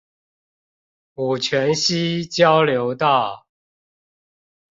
五權西交流道